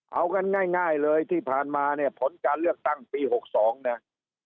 เอากันง่ายเลยที่ผ่านมาเนี่ยผลการเลือกตั้งปี๖๒นะ